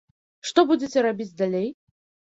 Што будзеце рабіць далей?